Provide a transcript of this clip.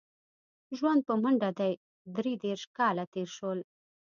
ژوند په منډه دی درې دېرش کاله تېر شول.